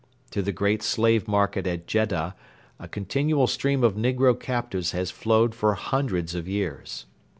To the great slave market at Jedda a continual stream of negro captives has flowed for hundreds of years.